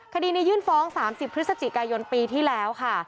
คดีนี้ยื่นฟ้อง๓๐พฤศจิกายนปีที่แล้วค่ะ